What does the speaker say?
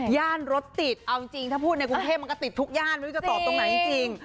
ย่านรถติดเอาจริงถ้าพูดในกรุงเทพมันก็ติดทุกย่านไม่รู้จะตอบตรงไหนจริง